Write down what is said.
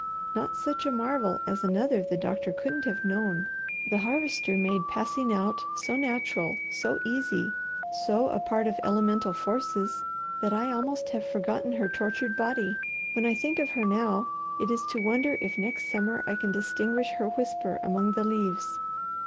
"Not such a marvel as another the doctor couldn't have known. The Harvester made passing out so natural, so easy, so a part of elemental forces, that I almost have forgotten her tortured body. When I think of her now, it is to wonder if next summer I can distinguish her whisper among the leaves.